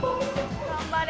頑張れ。